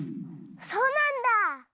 そうなんだ！